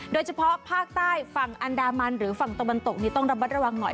โดยเฉพาะภาคใต้ฝั่งอันดามันหรือฝั่งตะวันตกนี้ต้องระมัดระวังหน่อย